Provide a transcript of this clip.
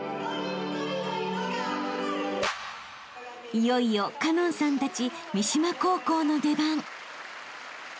［いよいよ花音さんたち三島高校の出番］